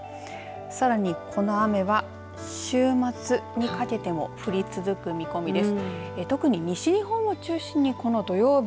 さらにこの雨は週末にかけても降り続く見込みです。